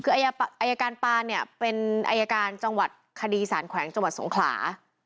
คืออายการปานเนี่ยเป็นอายการจังหวัดคดีสารแขวงจังหวัดสงขลา